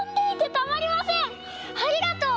ありがとう！